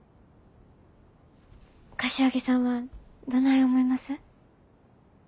柏木さんはどない思います？